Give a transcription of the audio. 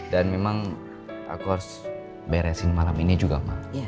dan memang aku harus beresin malam ini juga ma